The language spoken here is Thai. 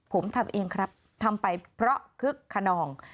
ผมทำเองครับทำไปเพราะคึกขนอง